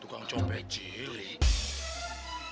tukang copet cilik